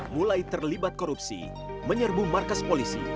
mulai terlibat korupsi menyerbu markas polisi